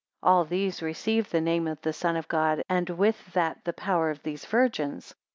All these received the name of the Son of God, and with that the power of these virgins.